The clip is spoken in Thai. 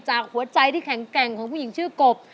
หัวใจที่แข็งแกร่งของผู้หญิงชื่อกบ